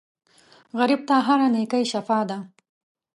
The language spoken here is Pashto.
غریب ته هره نېکۍ شفاء ده